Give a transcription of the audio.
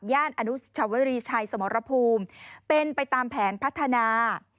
อนุสวรีชัยสมรภูมิเป็นไปตามแผนพัฒนา